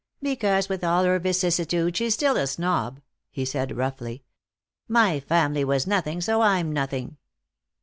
"Because, with all her vicissitudes, she's still a snob," he said roughly. "My family was nothing, so I'm nothing."